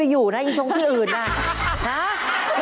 อีกแล้วอีกแล้ว